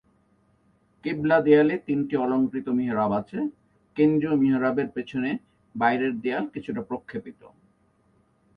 কিবলা দেয়ালে তিনটি অলঙ্কৃত মিহরাব আছে; কেন্দ্রীয় মিহরাবের পেছনে বাইরের দেয়াল কিছুটা প্রক্ষেপিত।